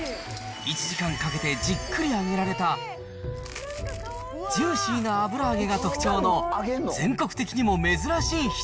１時間かけてじっくり揚げられたジューシーな油揚げが特徴の全国